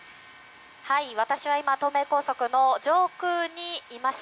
私は今東名高速の上空にいます。